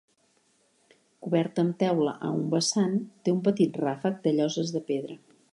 Coberta amb teula a un vessant, té un petit ràfec de lloses de pedra.